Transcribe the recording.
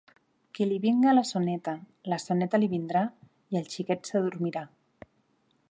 Que li vinga la soneta. La soneta li vindrà, i el xiquet s’adormirà.